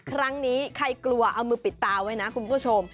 ครั้งนี้ใครกลัวเอามือปิดตาไว้นะคุณผู้ชม